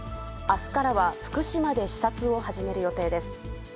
あすからは福島で視察を始める予定です。